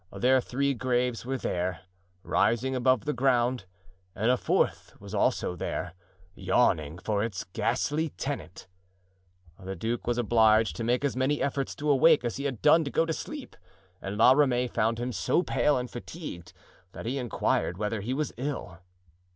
Their three graves were there, rising above the ground, and a fourth was also there, yawning for its ghastly tenant. The duke was obliged to make as many efforts to awake as he had done to go to sleep; and La Ramee found him so pale and fatigued that he inquired whether he was ill.